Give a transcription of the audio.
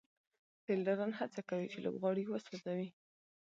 فېلډران هڅه کوي، چي لوبغاړی وسوځوي.